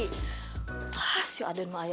iya bibi maksudnya mau angkuh lagi